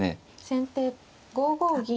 先手５五銀。